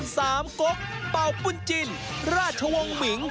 สามกกเป่าบุญจินราชวงศ์หมิง